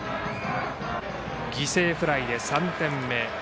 犠牲フライで３点目。